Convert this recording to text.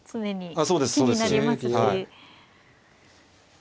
ああそうですそうですはい。